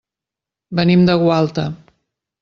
Venim de Gualta.